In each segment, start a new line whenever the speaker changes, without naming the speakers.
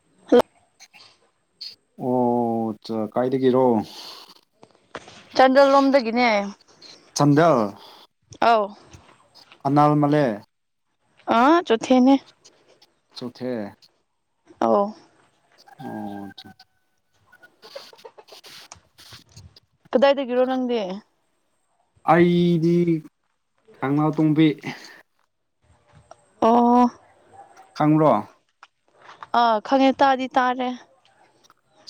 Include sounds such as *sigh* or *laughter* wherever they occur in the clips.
*unintelligible*
ꯑꯣ ꯆ ꯀꯥꯏꯗꯒꯤꯔꯣ
ꯆꯥꯟꯗꯦꯜ ꯂꯣꯝꯗꯒꯤꯅꯦ
ꯆꯥꯟꯗꯦꯜ
ꯑꯧ
ꯑꯅꯥꯜ ꯃꯂꯦ
ꯑ ꯆꯣꯊꯦꯅꯦ
ꯆꯣꯊꯦ
ꯑꯣ
ꯑꯣ
ꯀꯗꯥꯏꯗꯒꯤꯔꯣ ꯅꯪꯗꯤ
ꯑꯩꯗꯤ ꯀꯪꯂꯥꯇꯣꯡꯕꯤ
ꯑꯣ
ꯈꯪꯕ꯭ꯔꯣ
ꯑꯥ ꯈꯪꯉꯦ ꯇꯥꯗꯤ ꯇꯥꯔꯦ꯫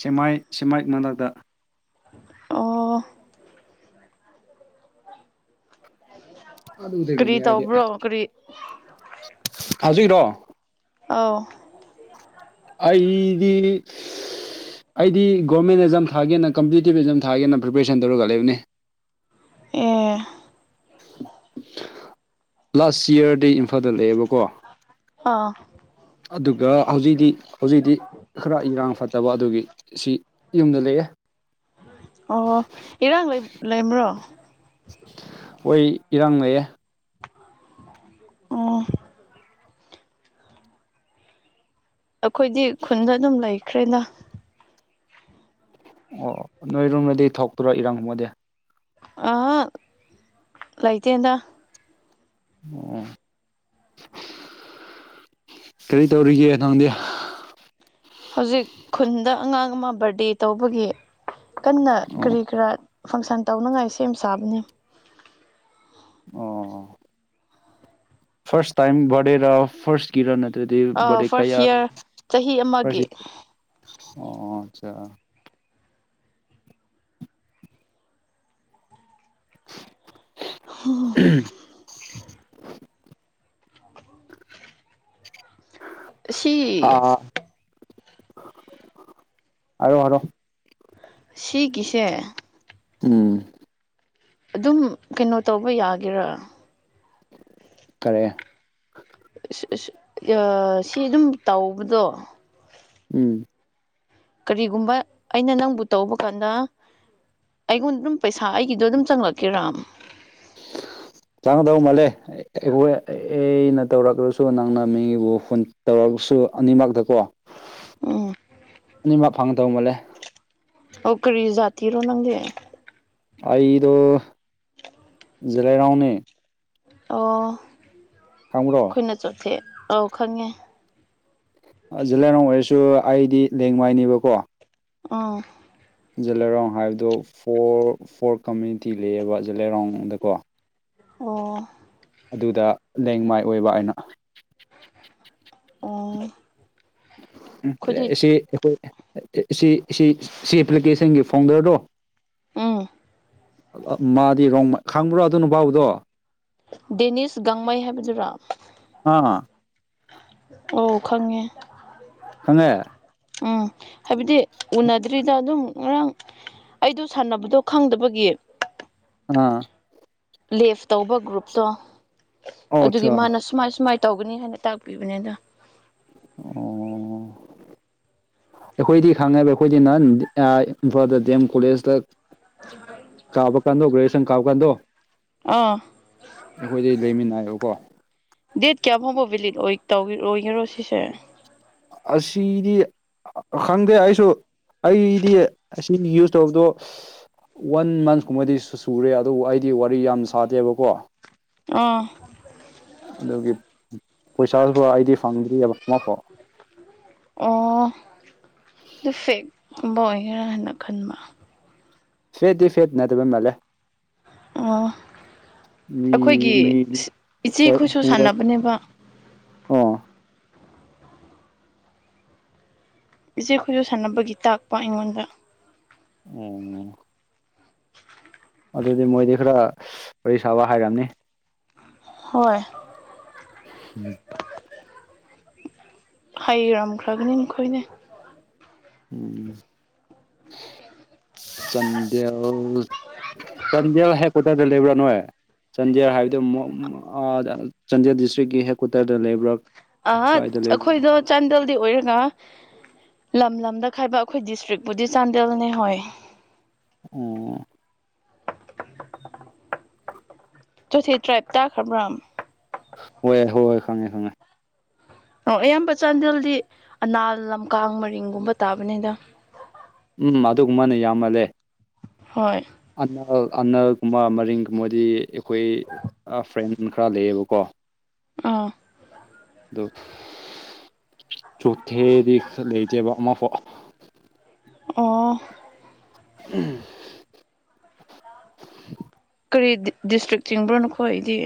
ꯁꯦꯃꯥꯏ ꯁꯦꯃꯥꯏ ꯃꯅꯥꯛꯇ
ꯑꯣ ꯀꯔꯤ
ꯑꯗꯨꯗꯒꯤꯅꯦ ꯑꯩꯗꯤ
ꯇꯧꯕ꯭ꯔꯣ ꯀꯔꯤ
ꯍꯧꯖꯤꯛꯔꯣ
ꯑꯧ
ꯑꯩꯗꯤ ꯑꯩꯗꯤ ꯒꯣꯔꯃꯦꯟ ꯑꯦꯛꯖꯥꯝ ꯊꯥꯒꯦꯅ ꯀꯝꯄꯤꯇꯤꯇꯤꯞ ꯑꯦꯖꯥꯝ ꯊꯥꯒꯦꯅ ꯄ꯭ꯔꯤꯄꯦꯔꯦꯁꯟ ꯇꯧꯔꯒ ꯂꯩꯕꯅꯤ꯫
ꯑꯦ
ꯂꯥꯁ ꯌꯥꯔꯗꯤ ꯏꯝꯐꯥꯜꯗ ꯂꯩꯥꯑꯦꯕꯀꯣ꯫
ꯑꯥ
ꯑꯗꯨꯒ ꯍꯧꯖꯤꯛꯇꯤ ꯍꯧꯖꯤꯛꯇꯤ ꯈꯔ ꯏꯔꯥꯡ ꯐꯠꯇꯕ ꯑꯗꯨꯒꯤ ꯁꯤ ꯌꯨꯝꯗ ꯂꯩꯑꯦ꯫
ꯑꯣ ꯏꯔꯥꯡ ꯂꯩ- ꯂꯩꯕ꯭ꯔꯣ
ꯍꯣꯏ ꯏꯔꯥꯡ ꯂꯩꯌꯦ꯫
ꯑꯣ ꯑꯩꯈꯣꯏꯗꯤ ꯈꯨꯟꯗ ꯑꯗꯨꯝ ꯂꯩꯈ꯭ꯔꯦꯗ꯫
ꯑꯣ ꯅꯣꯏꯔꯣꯝꯗꯗꯤ ꯊꯣꯛꯇꯔꯣ ꯏꯔꯥꯡꯒꯨꯝꯕꯗꯤ
ꯑ ꯂꯩꯇꯦꯗ꯫
ꯑꯣ ꯀꯔꯤ ꯇꯧꯔꯤꯒꯦ ꯅꯪꯗꯤ
ꯍꯧꯖꯤꯛ ꯈꯨꯟꯗ ꯑꯉꯥꯡ ꯑꯃ ꯕꯥꯔꯗꯦ ꯇꯧꯕꯒꯤ ꯀꯟꯅ
ꯑꯣ
ꯀꯔꯤ ꯀꯔꯥ ꯐꯪꯁꯟ ꯇꯧꯅꯉꯥꯏ ꯁꯦꯝ ꯁꯥꯕꯅꯦ꯫
ꯑꯣ ꯐꯥꯔꯁ ꯇꯥꯏꯝ ꯕꯔꯗ‌ꯦ ꯔ‌ꯣ ꯐꯔꯁ ꯀꯤꯔ ꯅꯠꯇ꯭ꯔꯗꯤ
ꯑꯥ
ꯕꯥꯔꯗ‌ꯦ
ꯐꯥꯔꯁ
ꯀꯌꯥ
ꯏꯌꯥꯔ ꯆꯍꯤ ꯑꯃꯒꯤ
*unintelligible* ꯑꯣ ꯑꯆꯥ
ꯍ
*unintelligible*
ꯁꯤ
ꯑꯥ ꯍꯥꯏꯔ‌ꯣ ꯍꯥꯏꯔ‌ꯣ
ꯁꯤꯒꯤꯁꯦ
ꯎꯝ
ꯑꯗꯨꯝ ꯀꯩꯅꯣ ꯇꯧꯕ ꯌꯥꯒꯦꯔꯥ
ꯀꯔꯦ
ꯑ ꯑ ꯁꯤ ꯑꯗꯨꯝ ꯇꯧꯕꯗꯣ
ꯎꯝ
ꯀꯔꯤꯒꯨꯝꯕ ꯑꯩꯅ ꯅꯪꯕꯨ ꯇꯧꯕ ꯀꯥꯟꯗ ꯑꯩꯉꯣꯟꯗ ꯑꯗꯨꯝ ꯄꯩꯁꯥ ꯑꯩꯒꯤꯗꯣ ꯑꯗꯨꯝ ꯆꯪꯂꯛꯀꯦꯔꯥ
ꯆꯥꯡꯉꯗꯧ ꯃꯥꯜꯂꯦ ꯑꯩꯈꯣꯏ ꯑꯩꯅ ꯇꯧꯔꯛꯂꯁꯨ ꯅꯪꯅ ꯃꯤꯕꯨ ꯐꯣꯟ ꯇꯧꯔꯕꯁꯨ ꯑꯅꯤꯃꯛꯇꯀꯣ
ꯎꯝ
ꯑꯅꯤꯃꯛ ꯐꯪꯗꯧ ꯃꯜꯂꯦ
ꯑꯣ ꯀꯔꯤ ꯖꯥꯇꯤꯔꯣ ꯅꯪꯗꯤ
ꯑꯩꯗ‌ꯣ ꯖꯤꯂ‌ꯦꯔ‌ꯣꯡꯅ‌ꯦ
ꯑꯣ
ꯈꯪꯕ‌ꯔꯣ
ꯑꯩꯈꯣꯏꯅ ꯆꯣꯊꯦ ꯑꯧ ꯈꯪꯉꯦ
ꯖꯤꯜꯂꯥꯏꯔ‌ꯣꯡ ꯑꯣꯏꯔꯁꯨ ꯑꯩꯗꯤ ꯂꯦꯡꯃꯥꯏꯅꯦꯕꯀꯣ
ꯑꯥ
ꯖꯤꯂꯥꯔ‌ꯣꯡ ꯍꯥꯏꯕꯗꯣ ꯐꯣꯔ ꯐꯣꯔ ꯀꯝꯃꯨꯅꯤꯇꯤ ꯂꯩꯌꯦꯕ ꯖꯤꯂ꯭ꯌꯥꯔ‌ꯣꯡꯗꯀꯣ
ꯑꯣ
ꯑꯗꯨꯗ ꯂꯦꯡꯃꯥꯏ ꯑꯣꯏꯕ ꯑꯩꯅ
ꯑꯣ ꯑꯩꯈꯣꯏꯗꯤ
ꯁꯤ ꯑꯩꯈꯣꯏ ꯁꯤ ꯁꯤ ꯁꯤ ꯑꯦꯄ꯭ꯂꯤꯀꯦꯁꯟꯒꯤ ꯐꯥꯎꯟꯗꯔꯗꯣ
ꯑꯥ
ꯃꯥꯗꯤ ꯔꯣꯡ ꯈꯪꯕ꯭ꯔꯣ ꯑꯗꯨ ꯅꯨꯄꯥꯕꯨꯗꯣ
ꯗꯦꯅꯤꯁ ꯒꯥꯡꯃꯩ ꯍꯥꯏꯕꯗꯨꯔ‌ꯣ
ꯑꯥ
ꯑꯣ ꯈꯪꯉꯦ
ꯈꯪꯉꯦ
ꯎꯝ ꯍꯥꯏꯕꯗꯤ ꯎꯅꯗ꯭ꯔꯤꯗ ꯑꯗꯨꯝ ꯉꯔꯥꯡ ꯑꯩꯗꯣ ꯁꯥꯟꯅꯕꯗꯣ ꯈꯪꯗꯕꯒꯤ
ꯑꯥ
ꯂꯦꯐ ꯇꯧꯕ ꯒ꯭ꯔꯨꯞꯇꯣ
ꯑꯣ
ꯑꯗꯨꯒꯤ
ꯑꯠꯆꯥ
ꯃꯥꯅ ꯁꯨꯃꯥꯏ ꯁꯨꯃꯥꯏ ꯇꯧꯒꯅꯤ ꯍꯥꯏꯅ ꯇꯥꯛꯄꯤꯕꯅꯦꯗ
ꯑꯣ ꯑꯩꯈꯣꯏꯗꯤ ꯈꯪꯉꯦꯕ ꯑꯩꯈꯣꯏꯗꯤ ꯅꯍꯟ ꯑꯥ ꯏꯝꯐꯥꯜꯗ ꯗꯤ ꯑꯦꯝ ꯀꯣꯂꯦꯖꯇ ꯀꯥꯕ ꯀꯥꯟꯗ‌ꯣ ꯒ꯭ꯔ‌ꯦꯖꯨꯌ‌ꯦꯁꯟ ꯀꯥꯕ ꯀꯥꯟꯗ‌ꯣ
ꯑꯥ
ꯑꯩꯈꯣꯏꯗꯤ ꯂꯩꯃꯤꯟꯅꯩꯌ‌ꯦꯕꯀꯣ
ꯗꯦꯠ ꯀꯌꯥ ꯐꯥꯎꯕꯣ ꯕꯤꯂꯤꯠ ꯇꯧ ꯑꯣꯏꯒꯦꯔꯣ ꯁꯤꯁꯦ
ꯑꯁꯤꯗꯤ ꯈꯪꯗꯦ ꯑꯩꯁꯨ ꯑꯩꯗꯤ ꯑꯁꯤꯅꯤ ꯌꯨꯁ ꯇꯧꯕꯗꯣ ꯋꯥꯟ ꯃꯟꯁ ꯀꯨꯝꯕꯗꯤ ꯁꯨꯔꯦ ꯑꯗꯨꯕꯨ ꯑꯩꯗꯤ ꯋꯥꯔꯤ ꯌꯥꯝ ꯁꯥꯗꯦꯕꯀꯣ
ꯑꯥ
ꯑꯗꯨꯒꯤ ꯄꯩꯁꯥꯁꯨꯕꯨ ꯑꯩꯗꯤ ꯐꯪꯗ꯭ꯔꯤꯑꯕ ꯑꯃꯐꯥꯎ
ꯑꯣ ꯗꯤꯐꯦꯛ ꯒꯨꯝꯕ ꯑꯣꯏꯒꯦꯔꯥ ꯍꯥꯏꯅ ꯈꯟꯕ
ꯐꯦꯠꯗꯤ ꯐꯦꯠ ꯅꯠꯇꯕ ꯃꯥꯜꯂ‌ꯦ
ꯑꯣ
ꯃꯤ
ꯑꯩꯈꯣꯏꯒꯤ
ꯃꯤ ꯍꯣꯏ
ꯏꯆꯦꯈꯣꯏꯁꯨ
ꯍꯣꯏ
ꯁꯥꯟꯅꯕꯅꯦꯕ
ꯑꯣ
ꯏꯆꯦ ꯈꯨꯣꯏꯁꯨ ꯁꯥꯟꯅꯕꯒꯤ ꯇꯥꯛꯄ ꯑꯩꯉꯣꯟꯗ
ꯑꯣ ꯑꯗꯨꯗꯤ ꯃꯣꯏꯗꯤ ꯈꯔ ꯋꯥꯔꯤ ꯁꯥꯕ ꯍꯥꯏꯔꯝꯅꯤ
ꯍꯣꯏ
ꯎꯝ *inaudible*
ꯍꯩꯔꯝꯈ꯭ꯔꯒꯅꯤ ꯃꯈꯣꯏꯅꯦ
ꯎꯝ ꯆꯟꯗ‌ꯦꯜ ꯆꯟꯗꯦꯜ ꯍꯦꯛ ꯀꯣꯠꯇꯗ ꯂꯩꯕ꯭ꯔꯥ ꯅꯣꯏ ꯆꯥꯟꯗꯦꯜ ꯍꯥꯏꯕꯗꯤ ꯃ‌ꯣ *unintelligible* ꯑ ꯆꯥꯟꯗꯦꯜ ꯗꯤꯁꯇ꯭ꯔꯤꯛꯀꯤ ꯍꯦꯗꯀ꯭ꯋꯥꯇꯔꯗ ꯂꯩꯕ꯭ꯔꯥ
ꯑꯍ
ꯀꯥꯏꯗ ꯂꯩꯕ꯭ꯔꯥ
ꯑꯩꯈꯣꯏꯗꯣ ꯆꯥꯟꯗꯦꯜꯗꯤ ꯑꯣꯏꯔꯒ ꯂꯝ ꯂꯝꯗ ꯈꯥꯏꯕ ꯑꯩꯈꯣꯏ ꯗꯤꯁꯇ꯭ꯔꯤꯛꯄꯨꯗꯤ ꯆꯥꯟꯗꯦꯜꯅꯦ ꯍꯣꯏ
ꯑꯣ
ꯆ‌ꯣꯊ‌ꯦ ꯇ꯭ꯔꯥꯏꯞ ꯇꯥꯈ꯭ꯔꯕ꯭ꯔꯥ
ꯍꯣꯏ ꯍꯣꯏ ꯍꯣꯏ ꯈꯪꯉꯦ ꯈꯪꯉꯦ
ꯑꯣ ꯑꯌꯥꯝꯕ ꯆꯥꯟꯗꯦꯜꯗꯤ ꯑꯅꯥꯜ ꯂꯝꯀꯥꯡ ꯃꯔꯤꯡꯒꯨꯝꯕ ꯇꯥꯕꯅꯤꯗ
ꯎꯝ ꯑꯗꯨꯒꯨꯝꯕꯅ ꯌꯥꯝꯃꯜꯂꯦ
ꯍꯣꯏ
ꯑꯅꯜ ꯑꯅꯜꯒꯨꯝꯕ ꯃꯔꯤꯡꯒꯨꯝꯕꯗꯤ ꯑꯩꯈꯣꯏ ꯑ ꯐ꯭ꯔꯦꯟ ꯈꯔ ꯂꯩꯌꯦꯕꯀꯣ
ꯑꯥ
ꯑꯗꯨ ꯆꯣꯊꯦꯗꯤ ꯂꯩꯇꯦꯕ ꯑꯃꯐꯥꯎ
ꯑꯣ
*unintelligible*
ꯀꯔꯤ ꯗꯤꯁꯇ꯭ꯔꯤꯛ ꯆꯤꯡꯕ꯭ꯔꯣ ꯅꯈ‌ꯣꯏꯗꯤ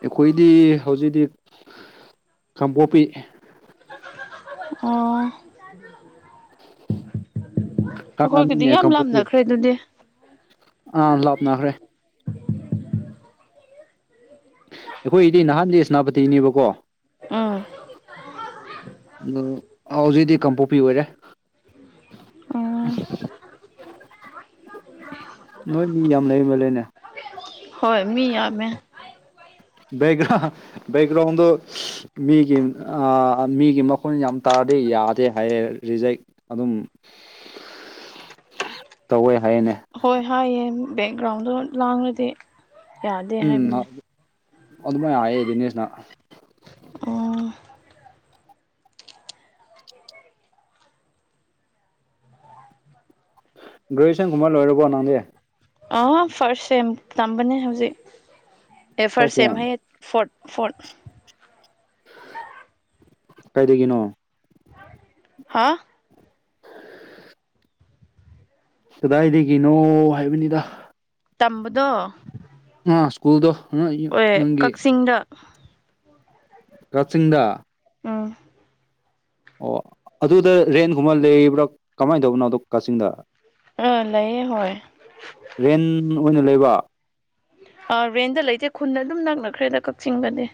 ꯑꯩꯈꯣꯏꯗꯤ ꯍꯧꯖꯤꯛꯇꯤ ꯀꯥꯡꯄꯣꯛꯄꯤ
ꯑꯣ ꯑꯩꯈꯣꯏꯒꯤꯗꯤ
ꯀꯥꯡꯂꯝꯅꯤꯅꯦ
ꯌꯥꯝ
ꯀꯥꯡꯄꯣꯛꯄꯤ
ꯂꯥꯞꯅꯈ꯭ꯔꯦ ꯑꯗꯨꯗꯤ
ꯑꯥ ꯂꯥꯞꯅꯥꯈ꯭ꯔꯦ ꯑꯩꯈꯣꯏꯗꯤ ꯅꯍꯥꯟꯗꯤ ꯁꯦꯅꯥꯄꯇꯤꯅꯦꯕꯀꯣ
ꯎꯝ
ꯑꯗꯣ ꯍꯧꯖꯤꯛꯗꯤ ꯀꯥꯡꯄꯣꯛꯄꯤ ꯑꯣꯏꯔꯦ
ꯎꯝ
ꯅꯣꯏ ꯃꯤ ꯌꯥꯝ ꯂꯩꯃꯜꯂꯦꯅꯦ
ꯍꯣꯏ ꯃꯤ ꯌꯥꯝꯃꯦ
ꯕꯒ꯭ꯔꯥꯎ ꯕꯒ꯭ꯔꯥꯎꯗ‌ꯣ *unintelligible* ꯃꯤꯒꯤ ꯑ ꯃꯤꯒꯤ ꯃꯈꯨꯣꯟ ꯌꯥꯝ ꯇꯥꯔꯗꯤ ꯌꯥꯗꯦ ꯍꯥꯏꯌꯦ ꯔꯤꯖꯦꯛ ꯑꯗꯨꯝ *unintelligible* *unintelligible* ꯇꯧꯋꯦ ꯍꯥꯏꯌꯦꯅꯦ
ꯍꯣꯏ ꯍꯥꯏꯌꯦ ꯕꯦꯛꯒ꯭ꯔꯥꯎꯟꯗꯣ ꯂꯥꯡꯂꯗꯤ ꯌꯥꯗꯦ
ꯎꯝ
ꯍꯥꯏꯕꯅꯦ
ꯑꯗꯨꯃꯥꯏꯅ ꯍꯥꯏꯌꯦ ꯗꯤꯅꯦꯁꯅ
ꯑꯣ
ꯒꯔ‌ꯦꯖꯨꯋ‌ꯦꯁꯟꯒꯨꯝꯕ ꯂ‌ꯣꯏꯔꯕꯣ ꯅꯪꯗꯤ
ꯑ ꯐꯥꯔꯁ ꯁꯦꯝ ꯇꯝꯕꯅꯦ ꯍꯧꯖꯤꯛ ꯑꯦ ꯐꯥꯔꯁ ꯁꯦꯝ ꯍꯥꯏꯌꯦ ꯐꯣꯔꯠ ꯐꯣꯔꯠ
*unintelligible* ꯀꯥꯏꯗꯒꯤꯅꯣ
ꯍꯥ
ꯀꯗꯥꯏꯗꯒꯤꯅꯣ ꯍꯥꯏꯕꯅꯤꯗ
ꯇꯝꯕꯗꯣ
ꯑ ꯁ꯭ꯀꯨꯜꯗꯣ *unintelligible* ꯅꯪꯒꯤ
ꯍꯟꯗ
ꯀꯥꯛꯆꯤꯡꯗ
ꯎꯝ
ꯑꯣ ꯑꯗꯨꯗ ꯔꯦꯟꯒꯨꯝꯕ ꯂꯩꯕ꯭ꯔꯥ ꯀꯃꯥꯏꯅ ꯇꯧꯕꯅꯣ ꯑꯗ ꯀꯛꯆꯤꯡꯗ
ꯑꯥ ꯂꯩꯑꯦ ꯍꯣꯏ
ꯔꯦꯟ ꯑꯣꯏꯅ ꯂꯩꯕ
ꯑ ꯔꯦꯟꯗ ꯂꯩꯇꯦ ꯈꯨꯟꯗ ꯑꯗꯨꯝ ꯅꯛꯅꯈ꯭ꯔꯦꯗ ꯀꯛꯆꯤꯡꯗꯗꯤ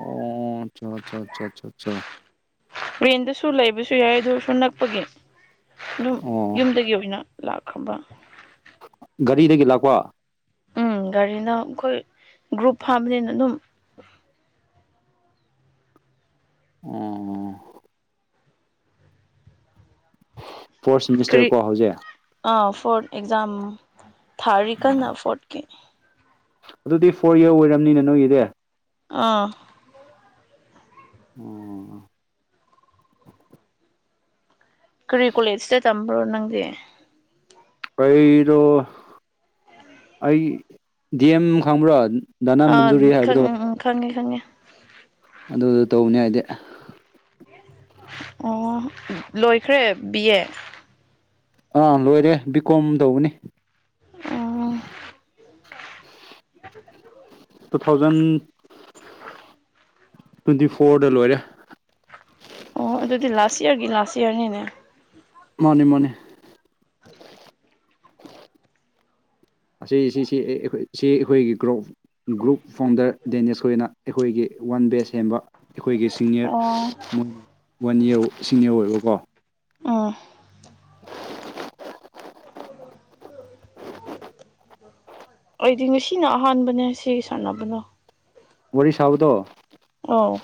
ꯑꯣ ꯑꯆꯥ ꯑꯆꯥ ꯑꯆꯥꯆꯥ ꯆꯥ
ꯔꯦꯟꯗꯁꯨ ꯂꯩꯕꯁꯨ ꯌꯥꯏ ꯑꯗꯨꯁꯨ ꯅꯛꯄꯒꯤ ꯑꯗꯨꯝ
ꯑꯣ
ꯌꯨꯝꯗꯒꯤ ꯑꯣꯏꯅ ꯂꯥꯛꯈ꯭ꯔꯕ
ꯒꯥꯔꯤꯗꯒꯤ ꯂꯥꯛꯄ
ꯎꯝ ꯒꯥꯔꯤꯅ ꯑꯩꯈꯣꯏ ꯒ꯭ꯔꯨꯞ ꯐꯥꯕꯅꯤꯅ ꯑꯗꯨꯝ
ꯎꯝ ꯐꯣꯔꯠ
ꯀꯔꯤ
ꯁꯤꯃꯤꯁꯇꯔꯀꯣ ꯍꯧꯖꯤꯛ
ꯑꯥ ꯐꯣꯔꯠ ꯑꯦꯛꯖꯥꯝ ꯊꯥꯔꯤ ꯀꯟꯅ ꯐꯣꯔꯠꯀꯤ
ꯑꯗꯨꯗꯤ ꯐꯣꯔ ꯌꯔ ꯑꯣꯏꯔꯝꯅꯤꯅ ꯅꯣꯏꯒꯤꯗꯤ
ꯑꯥ
ꯑꯣ
ꯀꯔꯤ ꯀꯨꯂꯦꯖꯇ ꯇꯝꯕ꯭ꯔꯣ ꯅꯪꯗꯤ
ꯑꯩꯔꯣ ꯑꯩ ꯗꯤ ꯑꯦꯝ ꯈꯪꯕ꯭ꯔꯥ ꯗꯥꯅ
ꯑꯥ
ꯃꯟꯖꯨꯔꯤ
ꯈꯪ
ꯍꯥꯏꯕꯗꯣ
ꯎꯝ ꯎꯝ ꯈꯪꯉꯦ ꯈꯪꯉꯦ
ꯑꯗꯨꯗꯨ ꯇꯧꯕꯅꯤ ꯍꯥꯏꯗꯤ
ꯑꯣ ꯂꯣꯏꯈ꯭ꯔꯦ ꯕꯤ ꯑꯦ
ꯑꯥ ꯂꯣꯏꯔꯦ ꯕꯤ ꯀꯣꯝ ꯇꯧꯕꯅꯤ
ꯑꯣ *inaudible*
ꯇꯨ ꯊꯥꯎꯖꯟ ꯇ꯭ꯋꯦꯟꯇꯤ ꯐꯣꯔꯗ ꯂꯣꯏꯔꯦ
ꯑꯣ ꯑꯗꯨꯗꯤ ꯂꯥꯁ ꯏꯌꯔꯒꯤ ꯂꯥꯁ ꯏꯌꯔꯅꯤꯅꯦ
ꯃꯥꯅꯦ ꯃꯥꯅꯦ
*inaudible*
ꯑꯁꯤ ꯁꯤ ꯁꯤ ꯑꯩꯈꯣꯏꯒꯤ ꯁꯤ ꯑꯩꯈꯣꯏꯒꯤ ꯒ꯭ꯔꯣꯐ ꯒ꯭ꯔꯨꯞ ꯐꯥꯎꯟꯗꯔ ꯗꯦꯅꯦꯁ ꯈꯣꯏꯅ ꯑꯩꯈꯣꯏꯒꯤ ꯋꯥꯟ ꯕꯦꯁ ꯍꯦꯝꯕ ꯑꯩꯈꯣꯏꯒꯤ
ꯑꯣ
ꯁꯤꯅꯤꯌꯔ ꯋꯥꯟ ꯏꯔ ꯁꯤꯅꯤꯌꯔ ꯑꯣꯏꯕꯀꯣ
ꯑꯥ *unintelligible* ꯑꯩꯗꯤ ꯉꯁꯤꯅ ꯑꯍꯥꯟꯕꯅꯦ ꯁꯤꯒꯤ ꯁꯥꯟꯅꯕꯗꯣ
ꯋꯥꯔꯤ ꯁꯥꯕꯗꯣ
ꯑꯥꯎ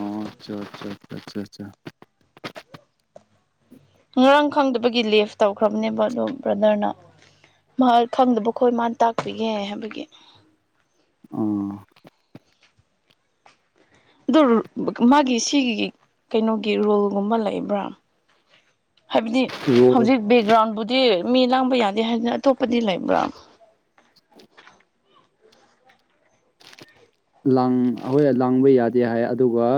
ꯑꯣ ꯑꯆꯥꯆꯥ ꯑꯆꯥ ꯑꯆꯥ ꯑꯆꯥ
ꯉꯔꯥꯡ ꯈꯪꯗꯕꯒꯤ ꯂꯦꯐ ꯇꯧꯈ꯭ꯔꯕꯅꯦꯕ ꯑꯗꯣ ꯕ꯭ꯔꯗꯔꯅ ꯃꯥ ꯈꯪꯗꯕꯈꯣꯏ ꯃꯥꯅ ꯇꯥꯛꯄꯤꯒꯦ ꯍꯥꯏꯕꯒꯤ
ꯎꯝ
ꯑꯗꯨ ꯃꯥꯒꯤ ꯁꯤꯒꯤ ꯀꯩꯅꯣꯒꯤ ꯔꯨꯜꯒꯨꯝꯕ ꯂꯩꯕ꯭ꯔꯥ ꯍꯥꯏꯕꯗꯤ
ꯔꯣꯜ
ꯍꯧꯖꯤꯛ ꯕꯦꯛꯒ꯭ꯔꯥꯎꯟꯕꯨꯗꯤ ꯃꯤ ꯂꯥꯡꯕ ꯌꯥꯗꯦ ꯍꯥꯏꯗꯅ ꯑꯇꯣꯞꯄꯗꯤ ꯂꯩꯕ꯭ꯔꯥ
ꯂꯥꯡ ꯍꯣꯏ ꯂꯥꯡꯕ ꯌꯥꯗꯦ ꯍꯥꯏ ꯑꯗꯨꯒ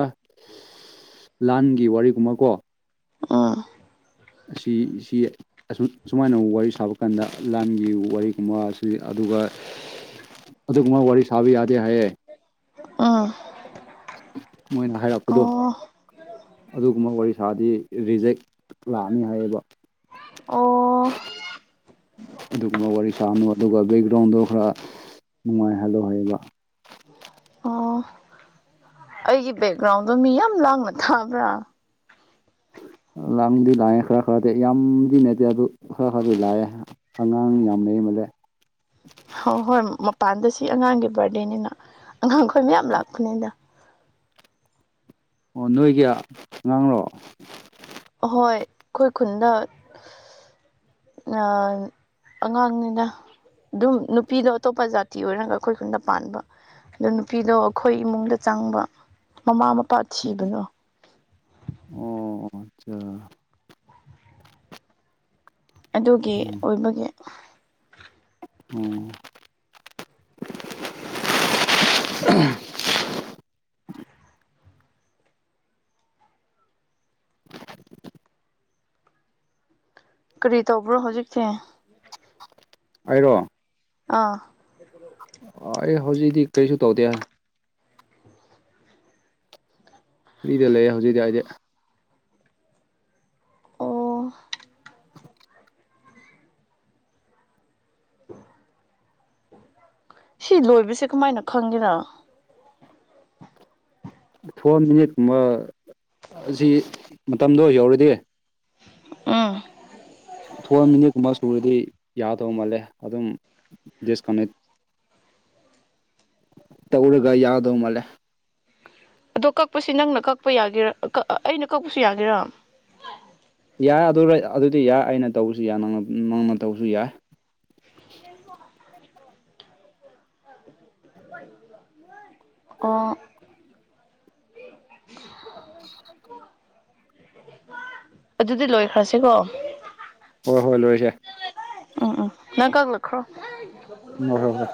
ꯂꯥꯟꯒꯤ ꯋꯥꯔꯤꯒꯨꯝꯕ ꯀꯣ
ꯑꯥ
ꯑꯁꯤ ꯁꯤ ꯁꯨꯃꯥꯏꯅ ꯋꯥꯔꯤ ꯁꯥꯕ ꯀꯥꯟꯗ ꯂꯥꯟꯒꯤ ꯋꯥꯔꯤꯒꯨꯝꯕ ꯑꯁꯤ ꯑꯗꯨꯒ ꯑꯗꯨꯒꯨꯝꯕ ꯋꯥꯔꯤ ꯁꯥꯕ ꯌꯥꯗꯦ ꯍꯥꯏꯌꯦ
ꯑꯥ
ꯃꯣꯏꯅ ꯍꯥꯏꯔꯛꯄꯗꯣ ꯑꯗꯨꯒꯨꯝꯕ ꯋꯥꯔꯤ ꯁꯥꯗꯤ ꯔꯤꯖꯦꯛ ꯂꯥꯛꯑꯅꯤ ꯍꯥꯏꯌꯦꯕ
ꯑꯣ
ꯑꯗꯨꯒꯨꯝꯕ ꯋꯥꯔꯤ ꯁꯥꯅꯨ ꯑꯗꯨꯒ ꯕꯦꯛꯒ꯭ꯔꯥꯎꯟꯗꯣ ꯈꯔ ꯅꯨꯡꯉꯥꯏꯍꯜꯂꯨ ꯍꯥꯏꯌꯦꯕ
ꯑꯣ ꯑꯩꯒꯤ ꯕꯦꯛꯒ꯭ꯔꯥꯎꯟꯗꯣ ꯃꯤ ꯌꯥꯝ ꯂꯥꯡꯅ ꯊꯥꯕ꯭ꯔꯥ
ꯂꯥꯡꯕꯗꯤ ꯂꯥꯡꯑꯦ ꯈꯔ ꯈꯔꯗꯤ ꯌꯥꯝꯗꯤ ꯅꯗꯦ ꯑꯗꯨ ꯈꯔ ꯈꯔꯗꯤ ꯂꯥꯑꯦ ꯑꯉꯥꯡ ꯌꯥꯝ ꯂꯩꯩꯃꯂꯦ
ꯍ ꯍꯣꯏ ꯃꯄꯥꯟꯗ ꯁꯤ ꯑꯉꯥꯡꯒꯤ ꯕꯥꯔꯗꯦꯅꯤꯅ ꯑꯉꯥꯡꯈꯣꯏ ꯃꯌꯥꯝ ꯂꯥꯛꯄꯅꯤꯗ
ꯑꯣ ꯅꯣꯏꯒꯤ ꯑꯉꯥꯡꯔꯣ
ꯑꯍꯣꯏ ꯑꯩꯈꯣꯏ ꯈꯨꯟꯗ ꯑꯉꯥꯡꯅꯤꯗ ꯑꯗꯨꯝ ꯅꯨꯄꯤꯗꯣ ꯑꯇꯣꯞꯄ ꯖꯥꯇꯤ ꯑꯣꯏꯔꯒ ꯑꯩꯈꯣꯏ ꯈꯨꯟꯗ ꯄꯥꯟꯕ ꯑꯗꯣ ꯅꯨꯄꯤꯗꯣ ꯑꯩꯈꯣꯏ ꯏꯃꯨꯡꯗ ꯆꯪꯕ ꯃꯃꯥ ꯃꯄꯥ ꯊꯤꯕꯗꯣ
ꯑꯣ ꯑꯠꯆꯥ
ꯑꯗꯨꯒꯤ
ꯎꯝ
ꯑꯣꯏꯕꯒꯤ
ꯑꯣ *unintelligible*
ꯀꯔꯤ ꯇꯧꯕ꯭ꯔꯣ ꯍꯧꯖꯤꯛꯁꯦ
ꯑꯩꯔꯣ
ꯑꯥ
ꯑ ꯍꯧꯖꯤꯗꯤ ꯀꯩꯁꯨ ꯇꯧꯗꯦ ꯐ꯭ꯔꯤꯗ ꯂꯩꯌꯦ ꯍꯧꯖꯤꯛꯇꯤ ꯑꯩꯗꯤ
ꯑꯣ *inaudible* ꯁꯤ ꯂꯣꯏꯕꯁꯦ ꯀꯃꯥꯏꯅ ꯈꯪꯒꯦꯔꯥ
ꯐꯣꯔ ꯃꯤꯅꯤꯠ ꯀꯨꯝꯕ ꯑꯁꯤ ꯃꯇꯝꯗꯣ ꯌꯧꯔꯗꯤ
ꯑ
ꯐꯣꯔ ꯃꯤꯅꯤꯒꯨꯝꯕ ꯁꯨꯔꯗꯤ ꯌꯥꯗꯧ ꯃꯥꯜꯂꯦ ꯑꯗꯨꯝ ꯗꯤꯁꯀꯅꯦꯛ ꯇꯧꯔꯒ ꯌꯥꯒꯗꯧ ꯃꯂꯦ
ꯑꯗꯣ ꯀꯛꯄꯁꯤ ꯅꯪꯅ ꯀꯛꯄ ꯌꯥꯒꯦꯔꯥ ꯑꯩꯅ ꯀꯛꯄꯁꯨ ꯌꯥꯒꯦꯔꯥ
ꯌꯥꯏ ꯑꯗꯨ ꯑꯗꯨꯗꯤ ꯌꯥꯏ ꯑꯩꯅ ꯇꯧꯕꯁꯨ ꯌꯥꯏ ꯅꯪꯅ ꯇꯧꯕꯁꯨ ꯌꯥꯏ
*unintelligible* ꯑꫭ
*inaudible*
ꯑꯗꯨꯗꯤ ꯂꯣꯏꯈ꯭ꯔꯁꯤꯀꯣ
ꯍꯣꯏ ꯍꯣꯏ ꯂꯣꯏꯁꯦ
ꯎꯝ ꯎꯝ ꯅꯪ ꯀꯛꯂꯛꯈ꯭ꯔꯣ
ꯍꯣꯏ ꯍꯣꯏ ꯍꯣꯏ